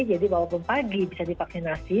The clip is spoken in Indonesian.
jadi walaupun pagi bisa divaksinasi